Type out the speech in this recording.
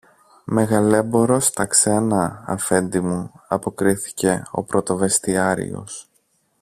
Μεγαλέμπορος στα ξένα, Αφέντη μου, αποκρίθηκε ο πρωτοβεστιάριος.